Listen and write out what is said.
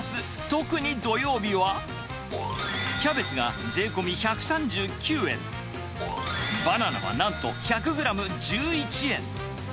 特に土曜日は、キャベツが税込み１３９円、バナナはなんと１００グラム１１円。